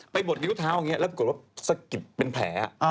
บดนิ้วเท้าอย่างนี้แล้วปรากฏว่าสะกิดเป็นแผล